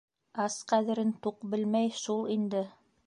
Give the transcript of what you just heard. Ас ҡәҙерен туҡ белмәй шул инде.